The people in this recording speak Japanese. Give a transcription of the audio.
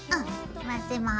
混ぜます。